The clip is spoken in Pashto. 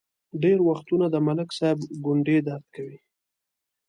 ډېر وختونه د ملک صاحب ګونډې درد کوي.